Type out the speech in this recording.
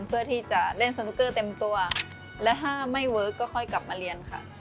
เพื่อที่จะเล่นสนุกเกอร์เต็มตัวและถ้าไม่เวิร์คก็ค่อยกลับมาเรียนค่ะ